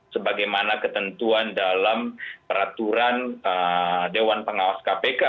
sebagaimana ketentuan dalam peraturan dewan pengawas kpk